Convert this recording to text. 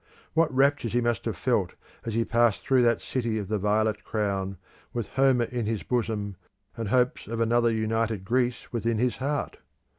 What raptures he must have felt as he passed through that City of the Violet Crown with Homer in his bosom, and hopes of another united Greece within his heart!